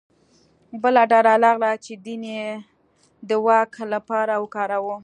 بله ډله راغله چې دین یې د واک لپاره وکاروه